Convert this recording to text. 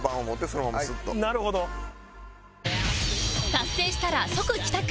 達成したら即帰宅